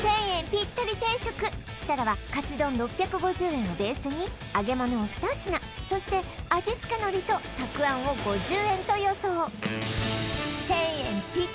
ピッタリ定食設楽はカツ丼６５０円をベースに揚げ物を２品そして味付け海苔とたくあんを５０円と予想